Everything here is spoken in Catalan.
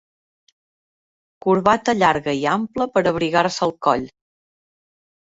Corbata llarga i ampla per a abrigar-se el coll.